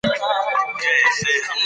پېچلي سمبولونه ګټه نه لري.